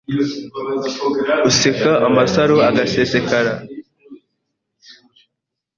Useka amasaro agaseseka